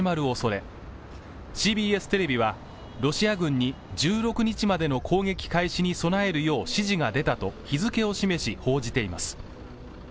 おそれＣＢＳテレビはロシア軍に１６日までの攻撃開始に備えるよう指示が出たと日付を示し報じています